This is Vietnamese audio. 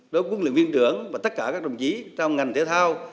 đối với quân luyện viên trưởng và tất cả các đồng chí trong ngành thể thao